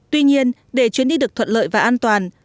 tuy nhiên để chuyến đi được thuận lợi và an toàn